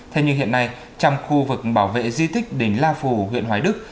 thế nhưng hiện nay trong khu vực bảo vệ di tích đỉnh la phủ huyện hoài đức